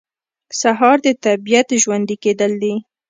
سهار د طبیعت ژوندي کېدل دي.